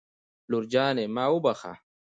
لور جانې ما وبښه